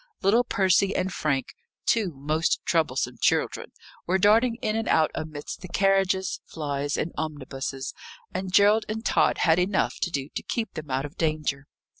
Little Percy and Frank, two most troublesome children, were darting in and out amidst the carriages, flys, and omnibuses; and Gerald and Tod had enough to do to keep them out of danger.